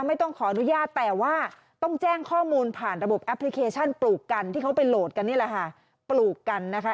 ไม่ต้องขออนุญาตแต่ว่าต้องแจ้งข้อมูลผ่านระบบแอปพลิเคชันปลูกกันที่เขาไปโหลดกันนี่แหละค่ะปลูกกันนะคะ